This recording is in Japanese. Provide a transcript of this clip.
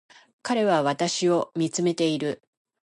彼は私を見つめている